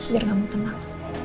biar kamu tenang